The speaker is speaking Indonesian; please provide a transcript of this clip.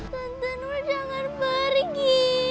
tante nur jangan pergi